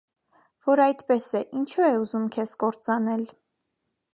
- Որ այդպես է, ինչո՞ւ է ուզում քեզ կործանել.